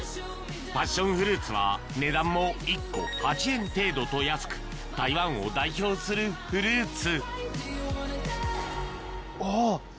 パッションフルーツは値段も１個８円程度と安く台湾を代表するフルーツあぁ！